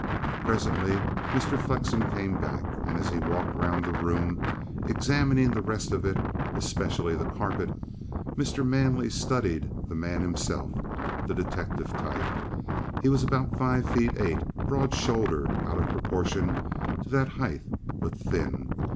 Presently Mr. Flexen came back, and as he walked round the room, examining the rest of it, especially the carpet, Mr. Manley studied the man himself, the detective type. He was about five feet eight, broad shouldered out of proportion to that height, but thin.